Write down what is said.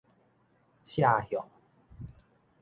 赦餉